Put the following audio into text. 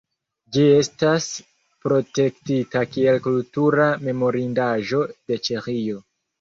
Ĝi estas protektita kiel kultura memorindaĵo de Ĉeĥio.